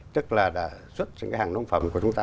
tức là đã xuất những cái hàng nông phẩm của chúng ta